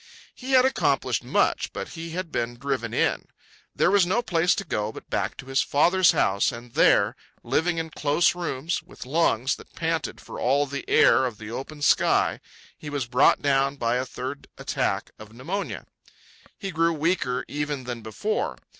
He had accomplished much, but he had been driven in. There was no place to go but back to his father's house, and there, living in close rooms with lungs that panted for all the air of the open sky, he was brought down by a third attack of pneumonia. He grew weaker even than before.